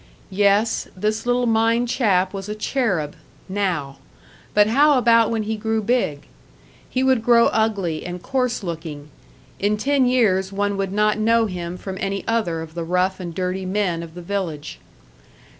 Yes, this little mine chap was a cherub, now; but how about when he grew big? He would grow ugly and coarse looking, in ten years one would not know him from any other of the rough and dirty men of the village.